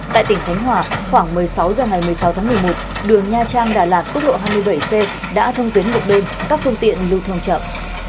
tại tỉnh khánh hòa khoảng một mươi sáu h ngày một mươi sáu tháng một mươi một đường nha trang đà lạt túc lộ hai mươi bảy c đã thông tuyến một bên các phương tiện lưu thông chậm